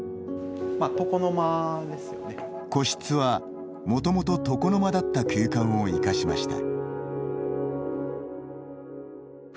個室は、もともと床の間だった空間を生かしました。